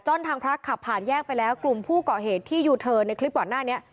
ทางพระขับผ่านแยกไปแล้วกลุ่มผู้ก่อเหตุที่ยูเทิร์นในคลิปก่อนหน้านี้